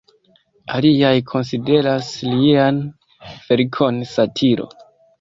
Aliaj konsideras lian verkon satiro.